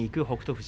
富士